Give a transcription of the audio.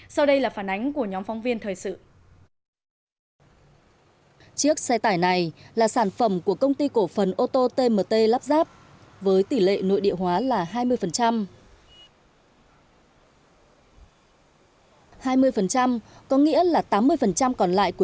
sau đây là phản ánh của nhóm phóng viên thời sự